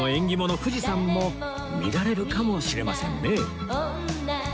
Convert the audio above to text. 富士山も見られるかもしれませんね